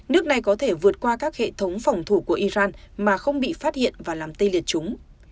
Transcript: nước này có thể vượt qua các hệ thống phòng thủ của iran mà không bị phát hiện và làm tê liệt chúng